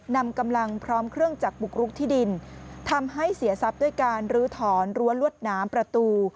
นำกำลังพร้อมเครื่องจักรบุกรุกที่ดินทำให้เสียทรัพย์ด้วยการลื้อถอนรั้วลวดน้ำประตู